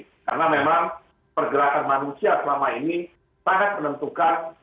dan itu adalah hal yang harus kita lakukan